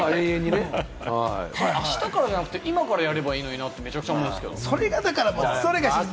あしたからじゃなくて、今からやればいいのになって、めちゃくちゃ思うんですけれど。